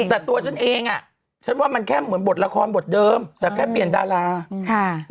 แต่ตัวฉันเองอ่ะฉันว่ามันแค่เหมือนบทละครบทเดิมแต่แค่เปลี่ยนดาราค่ะ